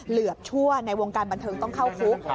เหลือบชั่วในวงการบันเทิงต้องเข้าคุก